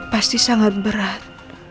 pasti sangat berat